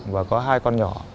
và có hai con nhỏ